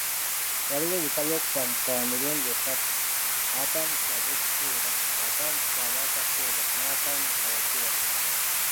Waliwo ebika by'obupangisa bya mirundi esatu; abapangisa ab'ekiseera, abapangisa ab'akaseera n'abapangisa bakiwagi.